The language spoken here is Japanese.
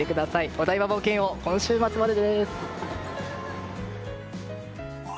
お台場冒険王、今週末までです。